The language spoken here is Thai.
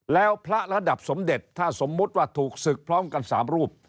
แล้วพระระดับสมเด็จถ้าสมมุติว่าถูกศึกพร้อมกัน๓รูป